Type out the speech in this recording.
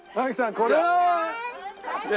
これは。